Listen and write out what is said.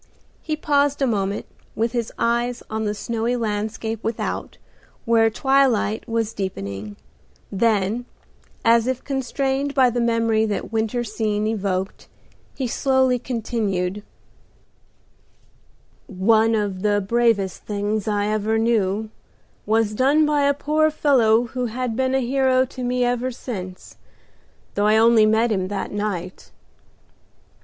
He paused a moment, with his eyes on the snowy landscape without, where twilight was deepening; then, as if constrained by the memory that winter scene evoked, he slowly continued, "One of the bravest things I ever knew was done by a poor fellow who has been a hero to me ever since, though I only met him that night.